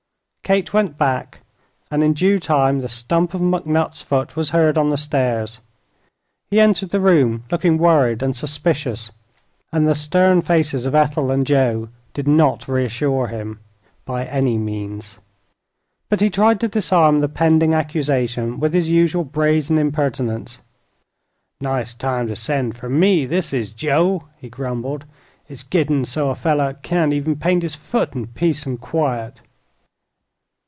Kate went back, and in due time the stump of McNutt's foot was heard on the stairs. He entered the room looking worried and suspicious, and the stern faces of Ethel and Joe did not reassure him, by any means. But he tried to disarm the pending accusation with his usual brazen impertinence. "Nice time ter send fer me, this is, Joe," he grumbled. "It's gittin' so a feller can't even paint his foot in peace an' quiet."